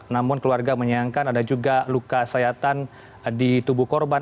namun keluarga menyayangkan ada juga luka sayatan di tubuh korban